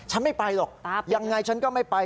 ฉันไม่ไปหรอกยังไงฉันก็ไม่ไป